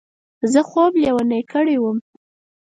زه خوب لېونی کړی وم.